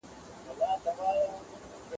ونه له ګلانو او میوو ډکه ده.